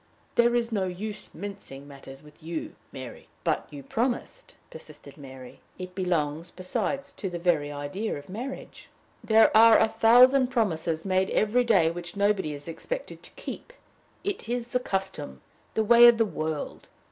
There is no use mincing matters with you, Mary." "But you promised," persisted Mary. "It belongs, besides, to the very idea of marriage." "There are a thousand promises made every day which nobody is expected to keep. It is the custom, the way of the world!